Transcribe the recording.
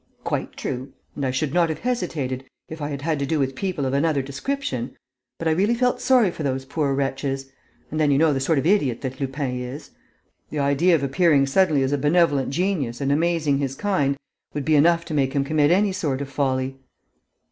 "Quite true; and I should not have hesitated, if I had had to do with people of another description. But I really felt sorry for those poor wretches. And then you know the sort of idiot that Lupin is. The idea of appearing suddenly as a benevolent genius and amazing his kind would be enough to make him commit any sort of folly."